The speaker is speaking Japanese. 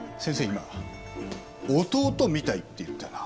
今弟みたいって言ったよな？